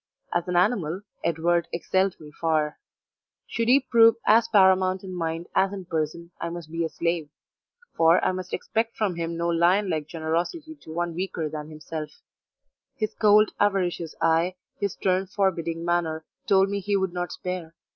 As an animal, Edward excelled me far; should he prove as paramount in mind as in person I must be a slave for I must expect from him no lion like generosity to one weaker than himself; his cold, avaricious eye, his stern, forbidding manner told me he would not spare.